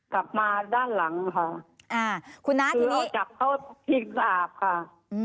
กลับมาด้านหลังค่ะอ่าคุณน้าทีนี้จากเข้าพิงอาบค่ะอืม